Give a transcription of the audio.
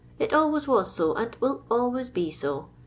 It always was so, and will always be so.